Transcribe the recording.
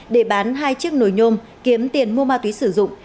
để bán hai chiếc nồi nhôm kiếm tiền mua ma túy sử dụng